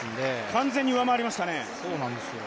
完全に上回りましたね。